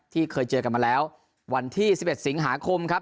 ที่เคยเจอกันมาแล้ววันที่สิบเอ็ดสิบแห่งหาคมครับ